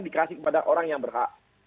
dikasih kepada orang yang berhak